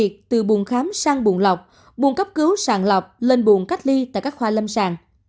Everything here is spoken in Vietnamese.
từ buồn khám sang buồn lọc buồn cấp cứu sàng lọc lên buồn cách ly tại các khoa lâm sàng